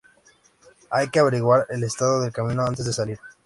Hay que averiguar el estado del camino antes de salir.